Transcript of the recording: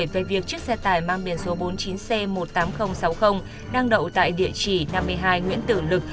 về việc chiếc xe tải mang biển số bốn mươi chín c một mươi tám nghìn sáu mươi đang đậu tại địa chỉ năm mươi hai nguyễn tử lực